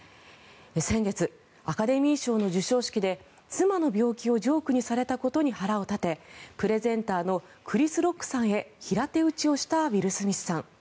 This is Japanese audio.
先月、アカデミー賞の授賞式で妻の病気をジョークにされたことに腹を立てプレゼンターのクリス・ロックさんへ平手打ちをしたウィル・スミスさん。